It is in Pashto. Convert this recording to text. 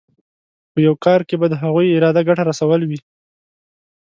په یو کار کې به د هغوی اراده ګټه رسول وي.